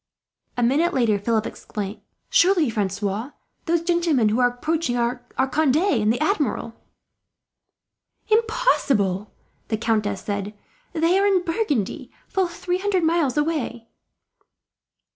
A minute later, Philip exclaimed: "Surely, Francois, those gentlemen who are approaching are Conde and the Admiral!" "Impossible!" the countess said. "They are in Burgundy, full three hundred miles away."